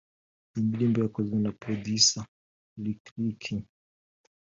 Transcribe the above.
Iyi ndirimbo yakozwe na Producer Lick Lick